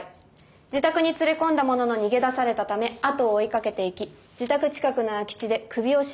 自宅に連れ込んだものの逃げ出されたため後を追いかけていき自宅近くの空き地で首を絞めて殺害。